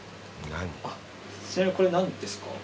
ちなみにこれは何ですか？